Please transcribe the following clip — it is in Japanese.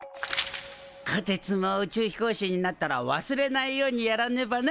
こてつも宇宙飛行士になったら忘れないようにやらねばな。